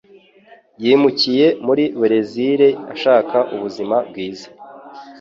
Yimukiye muri Berezile ashaka ubuzima bwiza.